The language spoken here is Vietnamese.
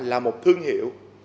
là một thương hiệu